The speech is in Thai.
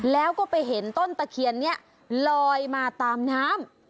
แล้วก็ไปเห็นต้นตะเคียนนี้ลอยมาตามน้ำ